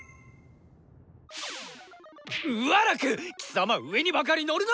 ウァラク貴様上にばかり乗るな！